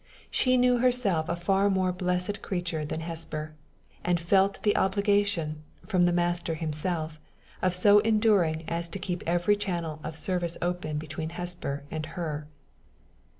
She knew herself a far more blessed creature than Hesper, and felt the obligation, from the Master himself, of so enduring as to keep every channel of service open between Hesper and her.